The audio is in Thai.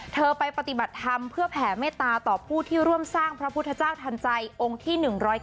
ไปปฏิบัติธรรมเพื่อแผ่เมตตาต่อผู้ที่ร่วมสร้างพระพุทธเจ้าทันใจองค์ที่๑๐๙